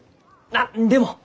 何でも！